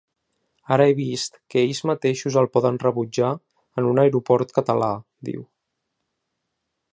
Ara he vist que ells mateixos el poden rebutjar en un aeroport català, diu.